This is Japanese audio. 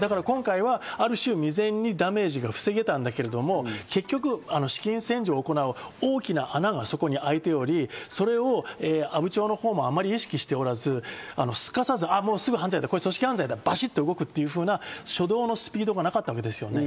今回はある種、未然にダメージが防げたんだけど、結局、資金洗浄を行う大きな穴がそこに開いており、それは阿武町のほうもあまり意識しておらず、組織犯罪だ、バシッと動くような初動のスピードがなかったわけですね。